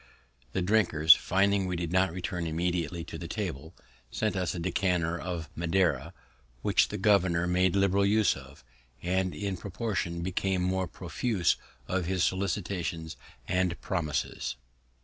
The drinkers, finding we did not return immediately to the table, sent us a decanter of Madeira, which the governor made liberal use of, and in proportion became more profuse of his solicitations and promises.